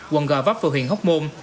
quận g vấp và huyện hóc môn